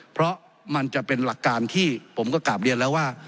เพราะมันจะเป็นหลักการที่ผมก็กลับเรียนแล้วว่า